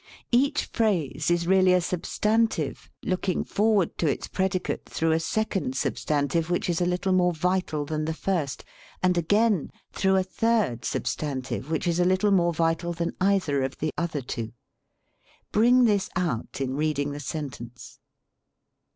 Each phrase is really a substantive, looking forward to its predicate through a second substantive which is a little more vital than the first, and again through a third substantive which is a little more vital than 99 THE SPEAKING VOICE either of the other two. Bring this out in reading the sentence.